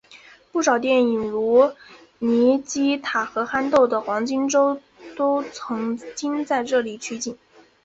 不少电影如尼基塔和憨豆的黄金周都曾经在这里取景。